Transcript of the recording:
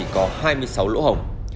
có hai mươi sáu lỗ hổng